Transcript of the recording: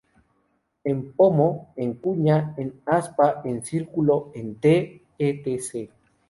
En pomo, en cuña, en aspa, en círculo, en "Te", ect.